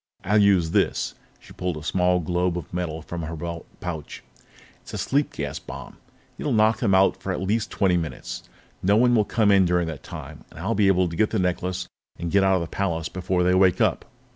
I'll use this " She pulled a small globe of metal from her belt pouch. "It's a sleep gas bomb. It'll knock them out for at least twenty minutes. No one will come in during that time, and I'll be able to get the necklace and get out of the palace before they wake up."